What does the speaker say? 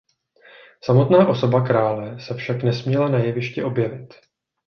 Samotná osoba krále se však nesměla na jevišti objevit.